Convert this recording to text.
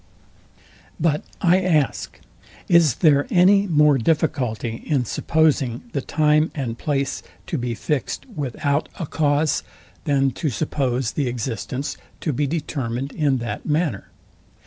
But I ask; Is there any more difficulty in supposing the time and place to be fixed without a cause, than to suppose the existence to be determined in that manner?